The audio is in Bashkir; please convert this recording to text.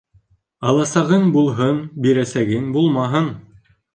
Аласағың булһын, бирәсәгең булмаһын.